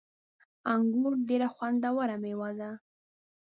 انګور ډیره خوندوره میوه ده